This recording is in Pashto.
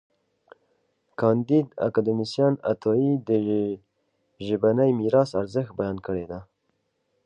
کانديد اکاډميسن عطايي د ژبني میراث ارزښت بیان کړی دی.